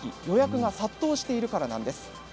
予約が殺到しているからなんです。